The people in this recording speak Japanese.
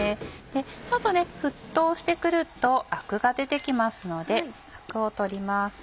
ちょっと沸騰して来るとアクが出て来ますのでアクを取ります。